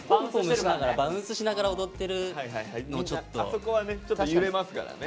あそこはねちょっと揺れますからね。